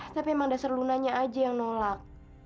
tapi emang dasar lunanya aja yang nolak